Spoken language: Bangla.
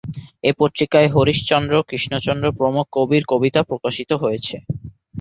এ পত্রিকায় হরিশ্চন্দ্র, কৃষ্ণচন্দ্র প্রমুখ কবির কবিতা প্রকাশিত হয়েছে।